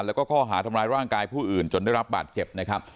แล้วก็ข้อหาทำร้ายร่างกายผู้อื่นจนได้รับบาดเจ็บนะครับ